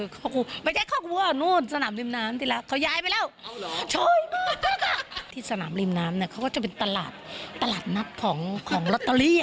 คอกบัวเหรอโอ้โฮไม่ใช่คอกบัวนู้นสนามริมน้ำดีกว่า